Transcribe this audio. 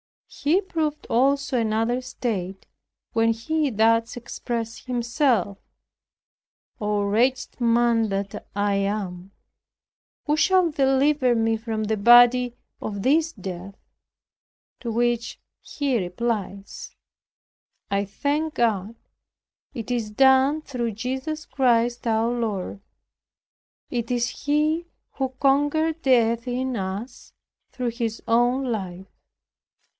He proved also another state when he thus expressed himself, "Oh, wretched man that I am! who shall deliver me from the body of this death?" To which he replies, "I thank God, it is done through Jesus Christ our Lord." It is He who conquers death in us through His own life.